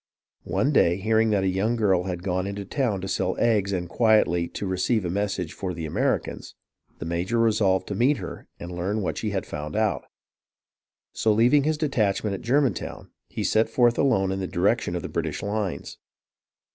One day, hearing that a young girl had gone into town to sell eggs and quietly to receive a viessage for the Ameri cans, the major resolved to meet her and learn what she had found out. So, leaving his detachment at German town, he set forth alone in the direction of the British lines.